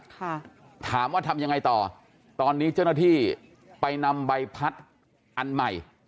ค่ะถามว่าทำยังไงต่อตอนนี้เจ้าหน้าที่ไปนำใบพัดอันใหม่